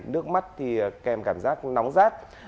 nước mắt thì kèm cảm giác nóng rát